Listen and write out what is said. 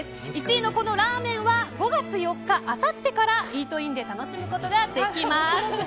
１位のラーメンは５月４日、あさってからイートインで楽しむことができます。